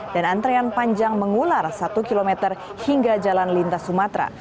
dan antrian panjang mengular satu km hingga jalan lintas sumatera